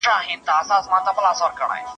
خاور